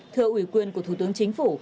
thưa ủy quyền của thủ tướng chính phủ